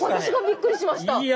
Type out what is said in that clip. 私がびっくりしました！